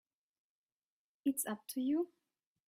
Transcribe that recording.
It's up to you.